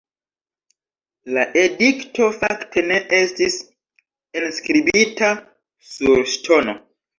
La edikto fakte ne estis enskribita sur ŝtono.